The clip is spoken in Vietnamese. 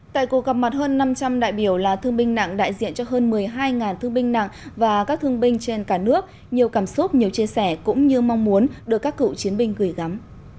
tại cuộc gặp mặt hơn năm trăm linh đại biểu là thương binh nặng đại diện cho hơn một mươi hai thương binh nặng và các thương binh trên cả nước nhiều cảm xúc nhiều chia sẻ cũng như mong muốn được các cựu chiến binh gửi gắm